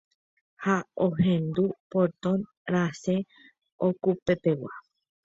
ha ahendu portón rasẽ okupepegua